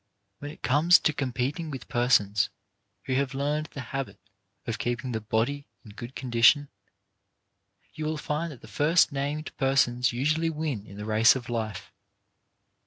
When it comes to competing with persons who have learned the habit of keeping the body in good condition, you will find that the first named persons usually win in the race of life.